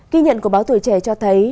ký nhận của báo tuổi trẻ cho thấy